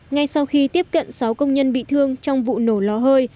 ngay sau khi tiếp cận sáu công nhân bị thương trong vụ nổ lò hơi